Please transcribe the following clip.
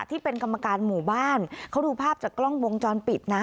ที่เป็นกรรมการหมู่บ้านเขาดูภาพจากกล้องวงจรปิดนะ